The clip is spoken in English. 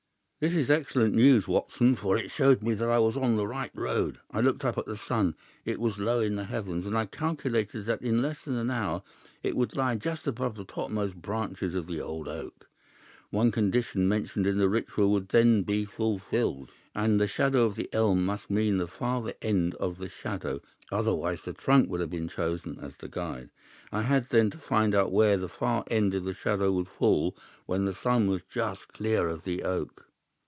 "This was excellent news, Watson, for it showed me that I was on the right road. I looked up at the sun. It was low in the heavens, and I calculated that in less than an hour it would lie just above the topmost branches of the old oak. One condition mentioned in the Ritual would then be fulfilled. And the shadow of the elm must mean the farther end of the shadow, otherwise the trunk would have been chosen as the guide. I had, then, to find where the far end of the shadow would fall when the sun was just clear of the oak."